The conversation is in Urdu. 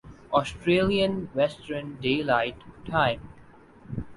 Australian western daylight time